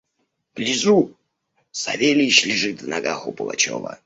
Гляжу: Савельич лежит в ногах у Пугачева.